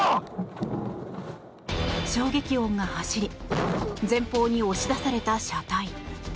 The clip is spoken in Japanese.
衝撃音が走り前方に押し出された車体。